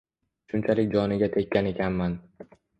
Shunchalik joniga tekkan ekanman